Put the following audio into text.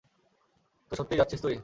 তো সত্যিই যাচ্ছিস তুই?